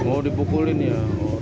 oh dipukulin ya